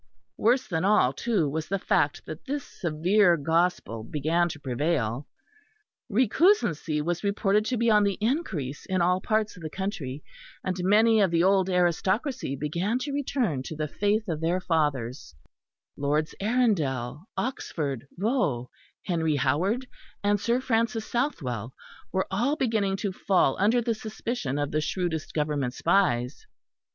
Worse than all, too, was the fact that this severe gospel began to prevail; recusancy was reported to be on the increase in all parts of the country; and many of the old aristocracy began to return to the faith of their fathers: Lords Arundel, Oxford, Vaux, Henry Howard, and Sir Francis Southwell were all beginning to fall under the suspicion of the shrewdest Government spies.